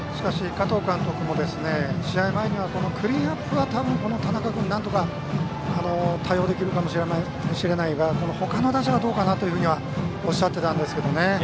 加藤監督も試合前にはクリーンアップは多分、田中君になんとか対応できるかもしれないが他の打者はどうかなとおっしゃっていたんですけどね。